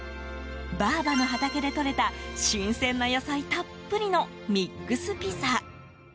ばあばの畑でとれた新鮮な野菜たっぷりのミックスピザ。